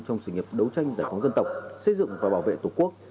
trong sự nghiệp đấu tranh giải phóng dân tộc xây dựng và bảo vệ tổ quốc